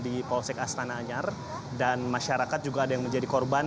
di polsek astana anyar dan masyarakat juga ada yang menjadi korban